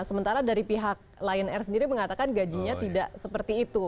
sementara dari pihak lion air sendiri mengatakan gajinya tidak seperti itu